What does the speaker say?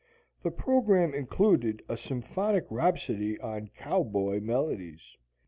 The program included also a symphonic rhapsody on cow boy melodies.